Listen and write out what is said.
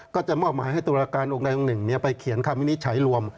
ก็จะมอบหมายให้ตุลาการองค์ใดองค์หนึ่งไปเขียนคำวินิจฉัยรวม